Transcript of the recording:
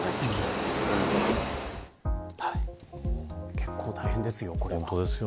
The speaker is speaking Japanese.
結構大変ですよ、これは。